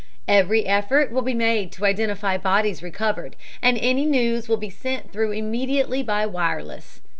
"Every effort will be made to identify bodies recovered, and any news will be sent through immediately by wireless.